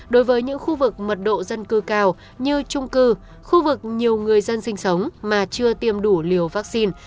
đối với những khu vực mật độ dân cư cao như trung cư khu vực nhiều người dân sinh sống mà chưa tiêm đủ liều vaccine